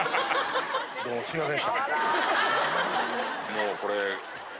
もうこれ。